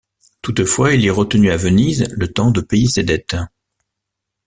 Toutefois, il est retenu à Venise le temps de payer ses dettes.